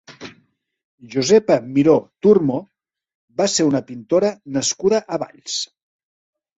Josepa Miró Turmo va ser una pintora nascuda a Valls.